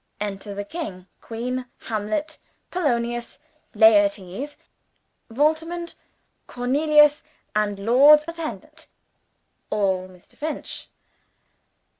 "Enter the King, Queen, Hamlet, Polonius, Laertes, Voltimand, Cornelius, and Lords Attendant." All Mr. Finch!